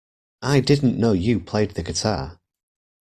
I didn't know you played the guitar!